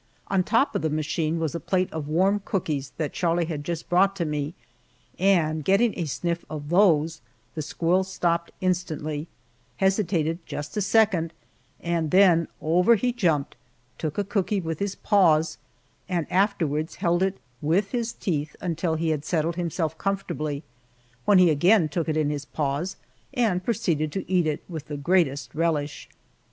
On top of the machine was a plate of warm cookies that Charlie had just brought to me, and getting a sniff of those the squirrel stopped instantly, hesitated just a second, and then over he jumped, took a cookie with his paws and afterwards held it with his teeth until he had settled himself comfortably, when he again took it in his paws and proceeded to eat with the greatest relish.